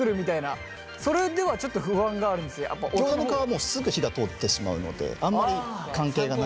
もうすぐ火が通ってしまうのであんまり関係がない。